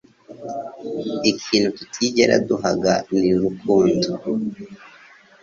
Ikintu tutigera duhaga ni urukundo;